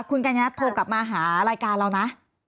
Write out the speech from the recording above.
คุณกัญญาโทรกลับมาหารายการเรานะ